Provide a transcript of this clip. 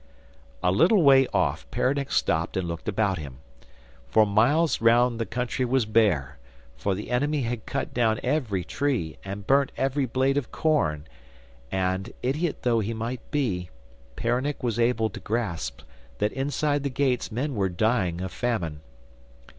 A little way off, Peronnik stopped and looked about him. For miles round the country was bare, for the enemy had cut down every tree and burnt every blade of corn; and, idiot though he might be, Peronnik was able to grasp that inside the gates men were dying of famine.